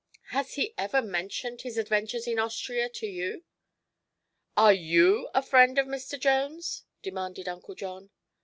"Has he ever mentioned his adventures in Austria to you?" "Are you a friend of Mr. Jones?" demanded uncle John.